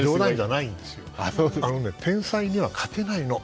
あのね、天才には勝てないの。